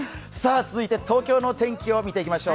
続いて東京の天気を見ていきましょう。